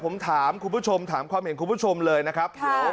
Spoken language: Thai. ผมถามคุณผู้ชมถามความเห็นคุณผู้ชมเลยนะครับเดี๋ยว